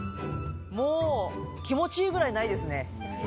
おおっ、気持ちいいぐらいないですね。